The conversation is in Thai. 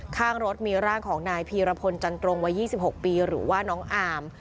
ข้างรถมีร่างของนายพีรพลจันตรงวัย๒๖ปีหรือว่าน้องอาม